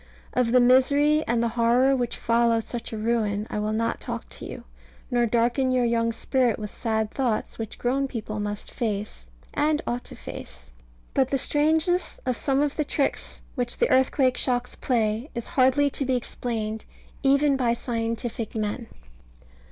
Of the misery and the horror which follow such a ruin I will not talk to you, nor darken your young spirit with sad thoughts which grown people must face, and ought to face. But the strangeness of some of the tricks which the earthquake shocks play is hardly to be explained, even by scientific men.